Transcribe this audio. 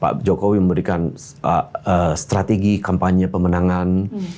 pak jokowi memberikan strategi kampanye pemenangan